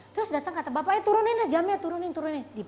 terus datang kata bapaknya turunin dah jamnya turunin turunin